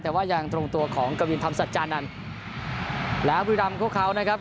แต่ว่ายังตรงตัวของกวินธรรมสัจจานันทร์แล้วบุรีรำพวกเขานะครับ